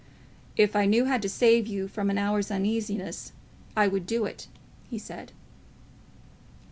"If I knew how to save you from an hour's uneasiness, I would do it," he said.